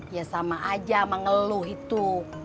ya sama aja sama ngeluh itu